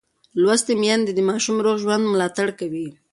لوستې میندې د ماشوم روغ ژوند ملاتړ کوي.